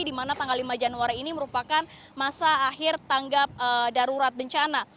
di mana tanggal lima januari ini merupakan masa akhir tanggap darurat bencana